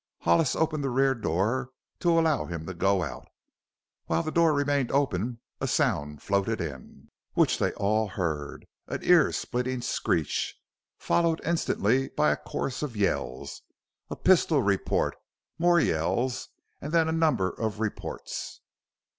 Hollis opened the rear door to allow him to go out. While the door remained open a sound floated in, which they all heard an ear splitting screech, followed instantly by a chorus of yells, a pistol report, more yells, and then a number of reports.